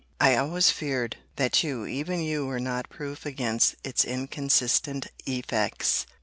—I always feared, that you, even you, were not proof against its inconsistent effects.